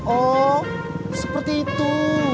oh seperti itu